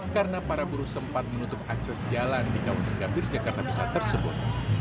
karena para buruh sempat menutup akses jalan di kawasan gambir jakarta pusat tersebut